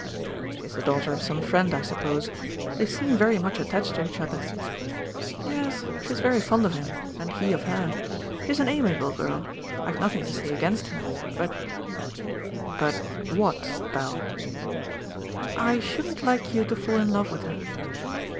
"She is the daughter of some friend, I suppose. They seem very much attached to each other." "Yes, she is very fond of him, and he of her. She is an amiable girl; I have nothing to say against her but " "But what, Belle?" "I shouldn't like you to fall in love with her."